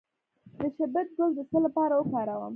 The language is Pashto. د شبت ګل د څه لپاره وکاروم؟